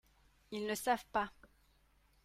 Ils ne savent pas.